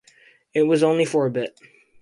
It was only for a bit.